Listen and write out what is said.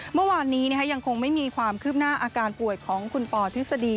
เมื่อวานนี้ยังคงไม่มีความคืบหน้าอาการป่วยของคุณปอทฤษฎี